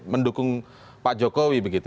mendukung pak jokowi begitu